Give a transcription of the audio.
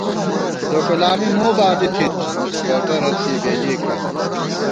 دوکلامی مو بالی تھِت ، ݭؤٹہ رت کېئ بېلِئے کھائی